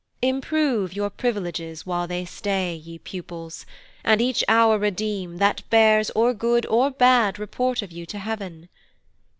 Improve your privileges while they stay, Ye pupils, and each hour redeem, that bears Or good or bad report of you to heav'n.